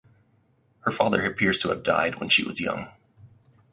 Her father appears to have died when she was young.